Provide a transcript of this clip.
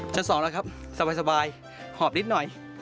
สองแล้วครับสบายหอบนิดหน่อย